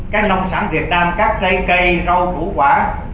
các nông sản việt nam các trái cây rau củ quả